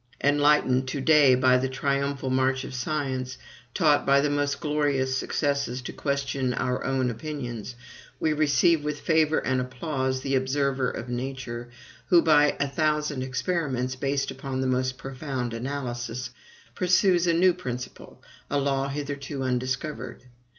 Enlightened to day by the triumphal march of science, taught by the most glorious successes to question our own opinions, we receive with favor and applause the observer of Nature, who, by a thousand experiments based upon the most profound analysis, pursues a new principle, a law hitherto undiscovered.